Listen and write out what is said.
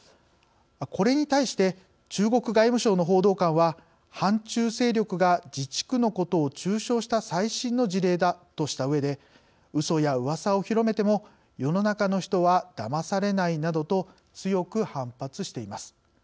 これに対して中国外務省の報道官は反中勢力が自治区のことを中傷した最新の事例だとしたうえでうそやうわさを広めても世の中の人はだまされないなどと強く反発しています。